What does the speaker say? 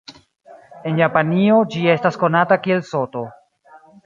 En Japanio, ĝi estas konata kiel Soto.